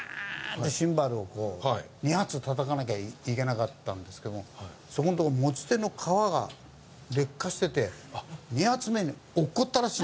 ってシンバルを２発叩かなきゃいけなかったんですけどもそこのところ持ち手の革が劣化してて２発目に落っこったらしい。